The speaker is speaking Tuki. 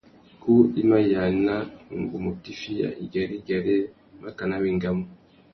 Kú i ma yāna ngu mù tifiya igüêrê-igüêrê makana wa engamú.